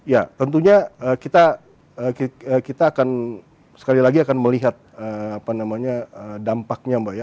ya tentunya kita akan sekali lagi akan melihat dampaknya mbak ya